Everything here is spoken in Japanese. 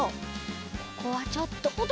ここはちょっと。